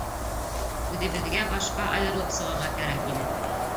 Үҙебеҙгә башҡа айырылып сығырға кәрәк ине.